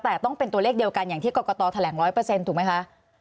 แต่ต้องเป็นตัวเลขเดียวกันอย่างที่กรกตแถลง๑๐๐ถูกไหมคะ